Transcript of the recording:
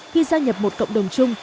khi gia nhập một cộng đồng chung